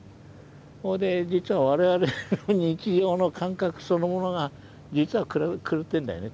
実は我々日常の感覚そのものが実は狂ってるんだよね。